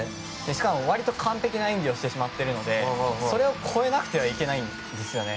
しかも、割と完璧な演技をしてしまっているのでそれを超えなくてはいけないんですよね。